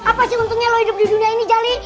apa sih untungnya lo hidup di dunia ini jali